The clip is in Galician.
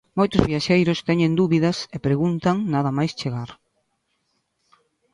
Moitos viaxeiros teñen dúbidas e preguntan nada máis chegar.